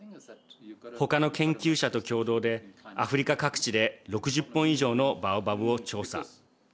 ほかの研究者と共同でアフリカ各地で６０本以上のバオバブを調査。